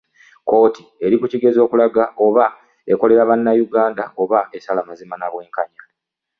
Kkooti eri ku kigezo okulaga nti oba ekolera Bannayuganda oba esala mazima n'obwenkanya